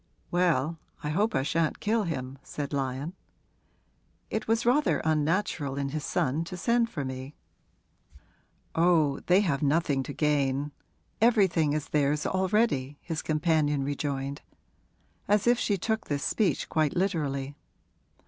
'Well, I hope I shan't kill him,' said Lyon. 'It was rather unnatural in his son to send for me.' 'Oh, they have nothing to gain everything is theirs already!' his companion rejoined, as if she took this speech quite literally.